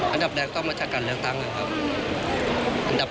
อันดับแรกต้องมาจัดการเรื่องทั้งครับอันดับแรกน่ะครับ